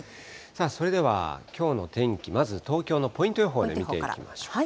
それではきょうの天気、まず東京のポイント予報で見ていきましょう。